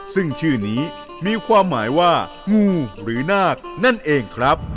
ซึ่งชื่อนี้มีความหมายว่างูหรือนาคนั่นเองครับ